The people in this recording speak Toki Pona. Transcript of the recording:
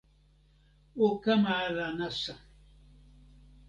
o kama ala nasa.